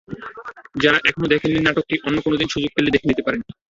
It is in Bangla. যারা এখনো দেখেননি নাটকটি, অন্য কোনো দিন সুযোগ পেলে দেখে নিতে পারেন।